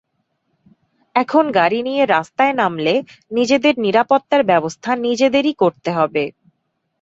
এখন গাড়ি নিয়ে রাস্তায় নামলে নিজেদের নিরাপত্তার ব্যবস্থা নিজেদেরই করতে হবে।